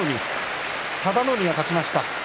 佐田の海が勝ちました。